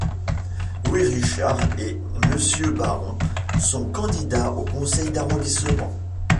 Louis Richard et Mr Baron sont candidats au conseil d'arrondissement.